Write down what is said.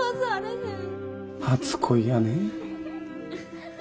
初恋やね。